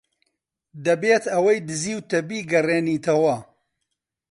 دەبێت ئەوەی دزیوتە بیگەڕێنیتەوە.